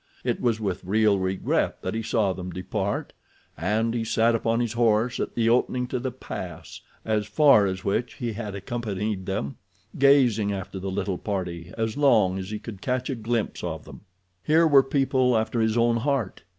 It was with real regret that he saw them depart, and he sat his horse at the opening to the pass, as far as which he had accompanied them, gazing after the little party as long as he could catch a glimpse of them. Here were people after his own heart!